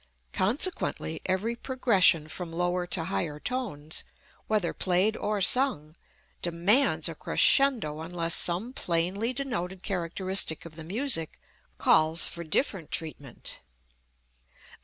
Consequently every progression from lower to higher tones, whether played or sung, demands a crescendo unless some plainly denoted characteristic of the music calls for different treatment.